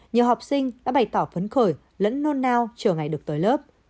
nhiều học sinh đã bày tỏ phấn khởi lẫn nôn nao chờ ngày được tới lớp